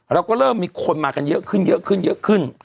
เราก็เริ่มมีคนมากันเยอะขึ้นเยอะขึ้นเยอะขึ้น